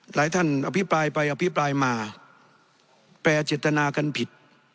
หลายท่านอภิปรายไปอภิปรายมาแปลเจตนากันผิด